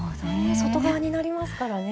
外側になりますからね。